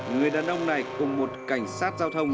người đàn ông này cùng một cảnh sát giao thông